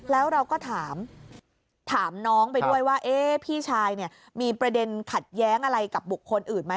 แล้วเราก็ถามน้องไปด้วยว่าพี่ชายเนี่ยมีประเด็นขัดแย้งอะไรกับบุคคลอื่นไหม